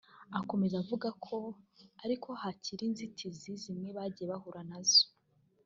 Akomeza avuga ko ariko hari inzitizi zimwe bagiye bahura nazo